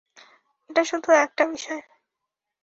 এটা শুধু একটা বিষয়।